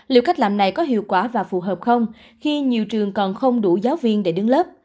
liệu cách làm này có hiệu quả và phù hợp không khi nhiều trường còn không đủ giáo viên để đứng lớp